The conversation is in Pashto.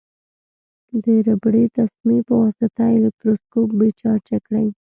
د ربړي تسمې په واسطه الکتروسکوپ بې چارجه کړئ.